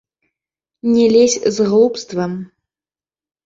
Не лезь з глупствам!